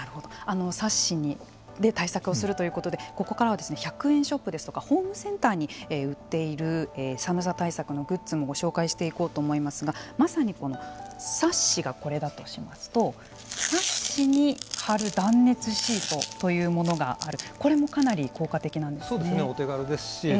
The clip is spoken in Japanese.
サッシで対策をするということでここからは１００円ショップですとかホームセンターに売っている寒さ対策のグッズもご紹介していこうと思いますがまさにこのサッシがこれだとしますとサッシに貼る断熱シートというものがあると。